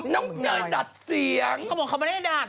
เนยดัดเสียงเขาบอกเขาไม่ได้ดัด